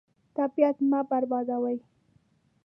طبیعت مه بربادوه.